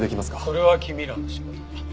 それは君らの仕事だ。